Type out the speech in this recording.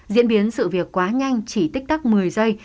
diễn biến sự việc quá nhanh chỉ tích tắc một mươi giây